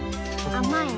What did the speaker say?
甘い。